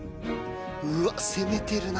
うわっ攻めてるな。